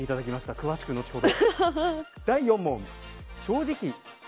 詳しくは後ほど。